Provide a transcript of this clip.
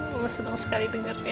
mama senang sekali denger ya